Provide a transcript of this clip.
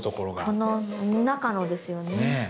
この中のですよね。